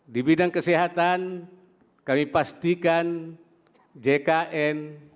di bidang kesehatan kami pastikan jkn